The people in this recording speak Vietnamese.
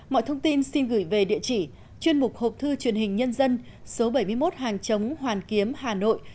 mọi thông tin xin gửi về địa chỉ chuyên mục hộp thư truyền hình nhân dân số bảy mươi một hàng chống hoàn kiếm hà nội